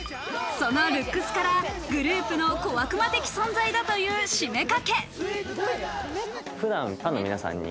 そのルックスからグループの小悪魔的存在だという七五三掛。